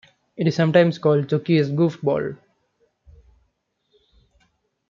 It is sometimes called "Zocchi's Golfball".